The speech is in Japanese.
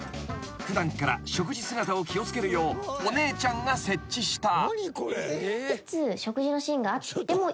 ［普段から食事姿を気を付けるようお姉ちゃんが設置した］